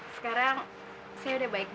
sekarang saya udah baik banget ya ibu